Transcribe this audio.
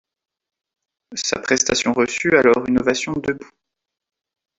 Sa prestation reçut alors une ovation debout.